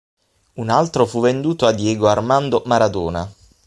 Un altro fu venduto a Diego Armando Maradona.